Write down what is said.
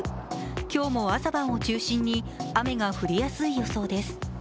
今日も朝晩を中心に雨が降りやすい予想です。